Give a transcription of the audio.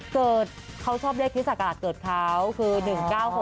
เกิดเค้าชอบเลขคฤจชะกราศเกิดเค้าคือ๑๙๖๔